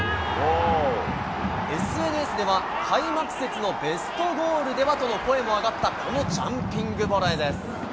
ＳＮＳでは開幕節のベストゴールではとの声も上がったこのジャンピングボレーです。